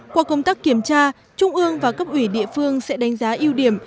qua công tác kiểm tra trung ương và cấp ủy địa phương sẽ đánh giá ưu điểm